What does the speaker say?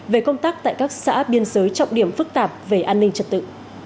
về công tác tại các xã biên giới trọng điểm phức tạp về an ninh trật tự